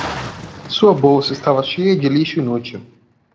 Sua bolsa estava cheia de lixo inútil.